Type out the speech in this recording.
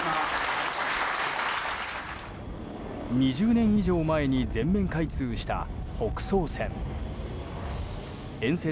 ２０年以上前に全面開通した北総線。